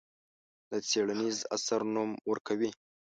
د څېړنیز اثر نوم ورکوي.